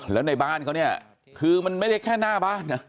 แล้วในบ้านเขาเนี่ยคือมันไม่ได้แค่หน้าบ้านนะ